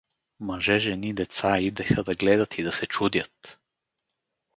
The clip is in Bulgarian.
Мъже, жени, деца идеха да гледат и да се чудят!